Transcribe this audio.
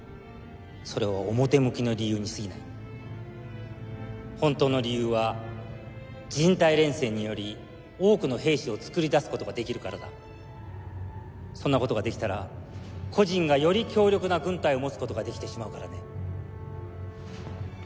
それは表向きの理由にすぎない本当の理由は人体錬成により多くの兵士をつくり出すことができるからだそんなことができたら個人がより強力な軍隊を持つことができてしまうからね